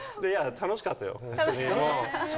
楽しかった？